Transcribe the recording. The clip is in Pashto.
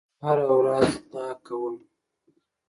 هره ورځ دا کوم